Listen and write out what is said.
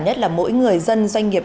nhất là mỗi người dân doanh nghiệp